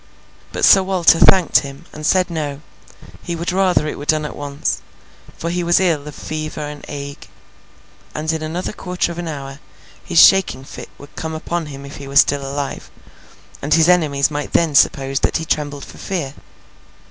But Sir Walter thanked him, and said no, he would rather it were done at once, for he was ill of fever and ague, and in another quarter of an hour his shaking fit would come upon him if he were still alive, and his enemies might then suppose that he trembled for fear.